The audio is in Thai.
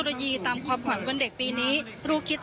ก็จะมีการพิพากษ์ก่อนก็มีเอ็กซ์สุข่อน